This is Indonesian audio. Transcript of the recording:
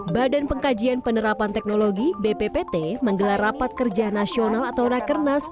badan pengkajian penerapan teknologi bppt menggelar rapat kerja nasional atau rakernas